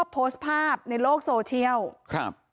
มีภาพในโลกโซเชียล